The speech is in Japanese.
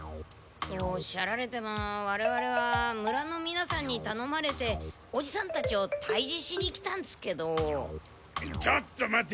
そうおっしゃられてもわれわれは村のみなさんにたのまれておじさんたちを退治しに来たんですけど。ちょっと待て。